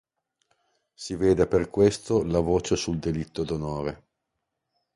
Si veda per questo la voce sul delitto d'onore"'.